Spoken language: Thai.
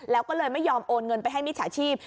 แล้วก็เลยไม่ยอมโอนเงินไปให้มิจฉาชีพ